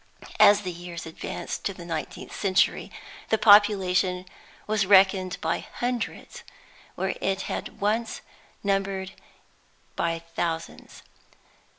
As the years advanced to the nineteenth century, the population was reckoned by hundreds where it had once been numbered by thousands.